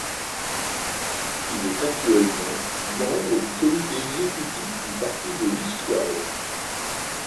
Il est actuellement membre du comité exécutif du Parti de l'Istiqlal.